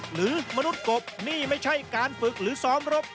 หรือมนุษย์กบนี่ไม่ใช่การฝึกหรือซ้อมรบ